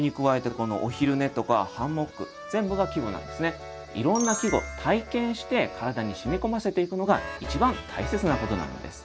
それに加えてこのいろんな季語体験して体に染み込ませていくのが一番大切なことなんです。